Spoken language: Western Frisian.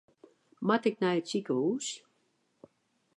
Moat ik nei it sikehûs?